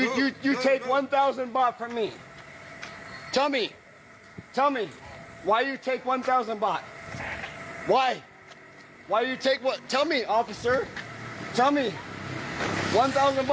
แค่๑๐๐๐บาทจากฉันหรือเปล่าทำไม